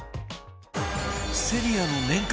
セリアの年間